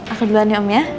aku duluan ya om ya